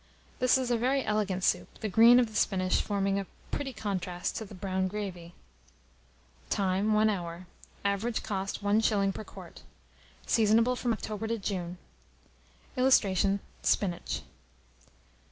This is a very elegant soup, the green of the spinach forming a pretty contrast to the brown gravy. Time. 1 hour. Average cost,1s. per quart. Seasonable from October to June. [Illustration: SPINACH.